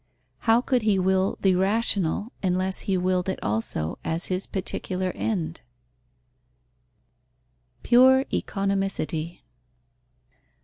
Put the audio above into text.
How could he will the rational, unless he willed it also as his particular end? _Pure economicity.